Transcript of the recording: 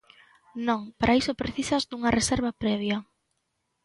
Non, para iso precisas dunha reserva previa